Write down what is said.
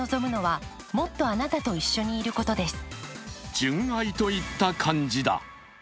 純愛といった感じだ。